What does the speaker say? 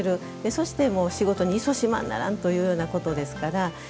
そして、仕事にいそしまなならんということですから。